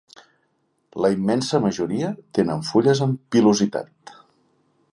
La immensa majoria tenen fulles amb pilositat.